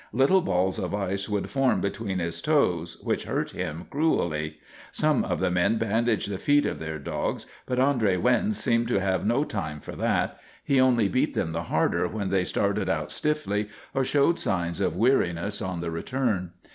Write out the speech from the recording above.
Little balls of ice would form between his toes, which hurt him cruelly. Some of the men bandaged the feet of their dogs, but André Wyns seemed to have no time for that. He only beat them the harder when they started out stiffly or showed signs of weariness on the return.